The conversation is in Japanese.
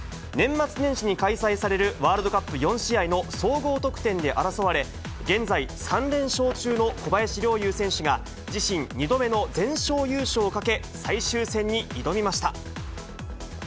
年末年始に開催されるワールドカップ４試合の総合得点で争われ、現在３連勝中の小林陵侑選手が、自身２度目の全勝優勝をかけ、最終戦に挑みました。